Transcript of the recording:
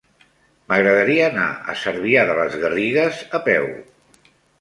M'agradaria anar a Cervià de les Garrigues a peu.